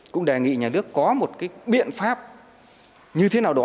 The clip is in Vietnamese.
cũng đề nghị nhà nước có một cái biện pháp như thế nào đó